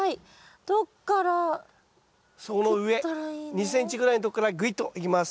２ｃｍぐらいのとこからぐいっといきます。